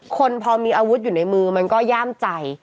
คนพอมีอาวุธอยู่ในมือมันก็ย่ามใจ